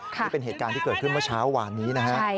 นี่เป็นเหตุการณ์ที่เกิดขึ้นว่าช้าวหวานนี้